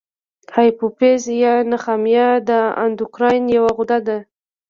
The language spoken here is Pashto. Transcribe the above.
هایپوفیز یا نخامیه د اندوکراین یوه غده ده.